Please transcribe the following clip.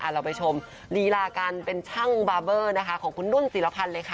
เราไปชมลีลาการเป็นช่างบาเบอร์นะคะของคุณนุ่นศิลพันธ์เลยค่ะ